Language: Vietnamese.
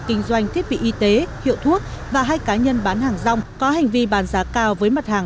kinh doanh thiết bị y tế hiệu thuốc và hai cá nhân bán hàng rong có hành vi bán giá cao với mặt hàng